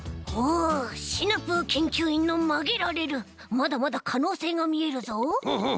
まだまだかのうせいがみえるぞ。